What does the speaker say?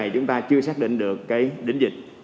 chúng ta chưa xác định được cái đỉnh dịch